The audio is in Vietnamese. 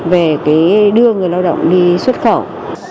về cái đưa người lao động đi xuất khẩu